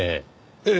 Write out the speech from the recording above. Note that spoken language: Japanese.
ええ。